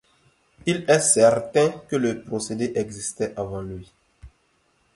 Il est certain que le procédé existait avant lui.